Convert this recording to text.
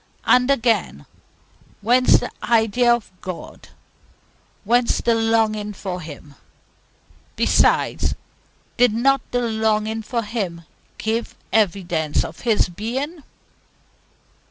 And again, whence the idea of God, whence the longing for Him? Besides, did not the longing for Him give evidence of His being?